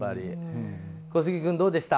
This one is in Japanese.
小杉君、どうでした？